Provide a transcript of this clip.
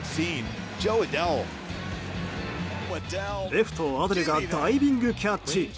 レフト、アデルがダイビングキャッチ。